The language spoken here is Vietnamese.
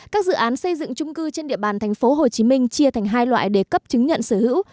các dự án xây dựng trung cư trên địa bàn thành phố hồ chí minh chia thành hai loại để cấp chứng nhận sở hữu